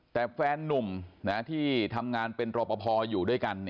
แต่แฟนนุ่มที่ทำงานเป็นรอปภอยู่ด้วยกัน